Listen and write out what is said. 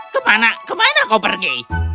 kemana kemana kau pergi